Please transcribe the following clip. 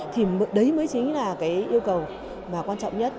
thì đấy mới chính là yêu cầu quan trọng nhất